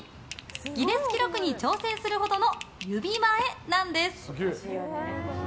ギネス記録に挑戦するほどの指前なんです。